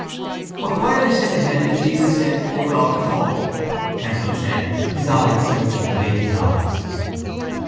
—But why are they sent to hell if Jesus said they were all to come? Temple said, his eyes searching Glynn's eyes.